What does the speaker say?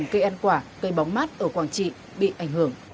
cây ăn quả cây bóng mát ở quảng trị bị ảnh hưởng